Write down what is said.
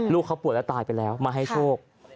เขาป่วยแล้วตายไปแล้วมาให้โชค